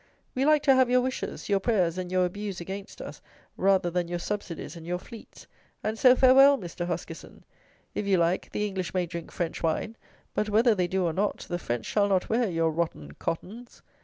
We like to have your wishes, your prayers, and your abuse against us, rather than your subsidies and your fleets: and so farewell, Mr. Huskisson: if you like, the English may drink French wine; but whether they do or not, the French shall not wear your rotten cottons.